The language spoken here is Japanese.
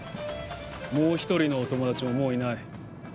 もう一人のお友達ももういない。